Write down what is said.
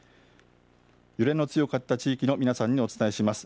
揺れの強かった地域の皆さんにお伝えします。